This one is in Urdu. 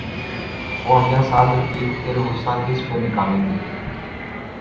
خواجہ سعدرفیق پھر غصہ کس پہ نکالیں گے؟